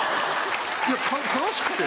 いや楽しくて。